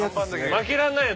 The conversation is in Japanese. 負けらんないよ。